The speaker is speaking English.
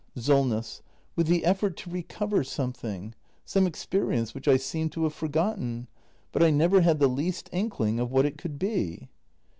Solness. With the effort to recover something — some experi ence, which I seemed to have forgotten. But I never had the least inkling of what it could be.